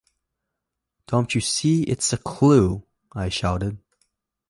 “Don’t you see it’s a clue,” I shouted.